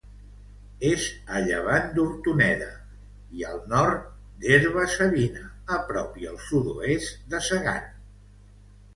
És a llevant d'Hortoneda i al nord d'Herba-savina, a prop i al sud-oest de Segan.